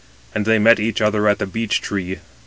And they met each other at the beech tree.